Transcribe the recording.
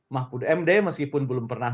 mahfud md meskipun belum pernah